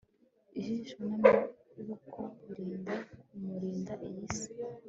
Ijisho namaboko birinda kumurinda iyi si